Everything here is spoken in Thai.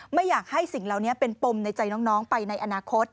ไม่อยากให้สิ่งเหล่านี้เป็นปมในใจน้องไปในอนาคต